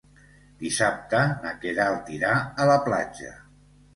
Dissabte na Queralt irà a la platja.